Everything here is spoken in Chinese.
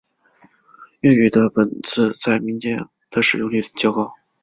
粤语的本字在民间的使用率较高。